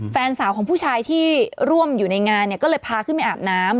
แฟนสาวของผู้ชายที่ร่วมอยู่ในงานเนี่ยก็เลยพาขึ้นไปอาบน้ำ